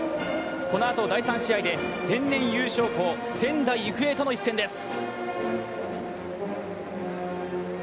このあと第３試合で前年優勝校、仙台育英との一戦です。